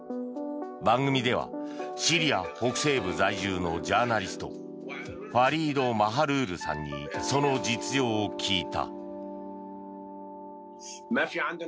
番組では、シリア北西部在住のジャーナリストファリード・マハルールさんにその実情を聞いた。